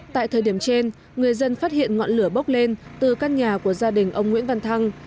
tại thời điểm trên người dân phát hiện ngọn lửa bốc lên từ căn nhà của gia đình ông nguyễn văn thăng